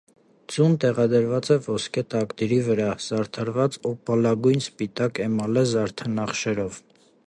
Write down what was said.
Ձուն տեղադրված է ոսկե տակդիրի վրա՝ զարդարված օպալագույն սպիտակ էմալե զարդանախշերով։